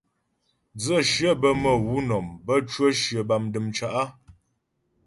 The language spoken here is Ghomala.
Dzə̌shyə bə́ mə̌ wǔ nɔm, bə́ cwə shyə bâ dəm cǎ'.